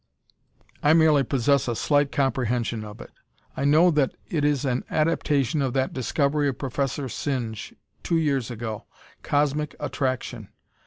"I merely possess a slight comprehension of it. I know that it is an adaptation of that discovery of Professor Singe, two years ago cosmic attraction.